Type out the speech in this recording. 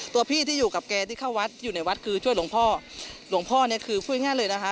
ตัวพี่ที่อยู่กับแกที่เข้าวัดอยู่ในวัดคือช่วยหลวงพ่อหลวงพ่อเนี่ยคือพูดง่ายเลยนะคะ